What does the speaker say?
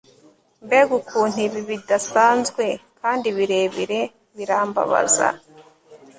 Mbega ukuntu ibi bidasanzwe kandi birebire birambabaza